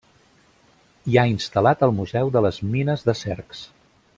Hi ha instal·lat el Museu de les Mines de Cercs.